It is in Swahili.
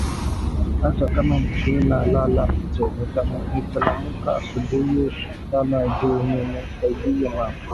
Ata kama mina lala jee mitalamuka busubuyi sana nju nimu saidiye mama